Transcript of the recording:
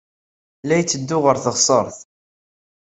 La itteddu ɣer teɣsert.